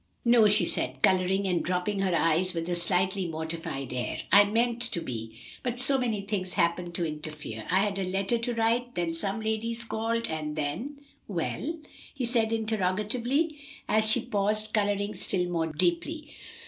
"No," she said, coloring and dropping her eyes with a slightly mortified air. "I meant to be, but so many things happened to interfere. I had a letter to write, then some ladies called, and then " "Well?" he said interrogatively, as she paused, coloring still more deeply.